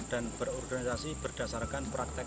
dan berorganisasi berdasarkan praktek